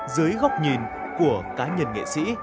dưới góc nhìn của cá nhân nghệ sĩ